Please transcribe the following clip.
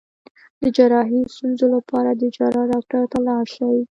د جراحي ستونزو لپاره د جراح ډاکټر ته لاړ شئ